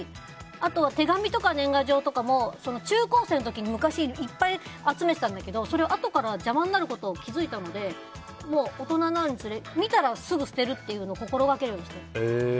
あと、手紙とか年賀状も中高生の時とか昔いっぱい集めてたんだけどそれをあとから邪魔になることに気付いたのでもう大人になるにつれて見たらすぐ捨てることを心がけるようにしてる。